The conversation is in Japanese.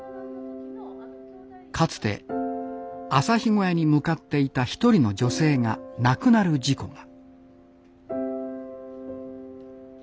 かつて朝日小屋に向かっていた一人の女性が亡くなる事故が。